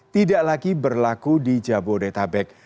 tidak lagi berlaku di jabodetabek